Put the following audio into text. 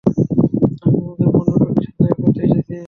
আমি তোমাদের বন্ধু, টনির সাথে দেখা করতে এসেছি।